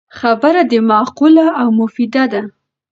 خبره دی معقوله او مفیده ده